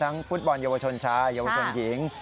ฟุตบอลเยาวชนชายเยาวชนหญิง